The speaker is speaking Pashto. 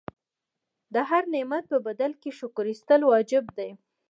د هر نعمت په بدل کې شکر ایستل واجب دي.